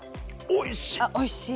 おいしい。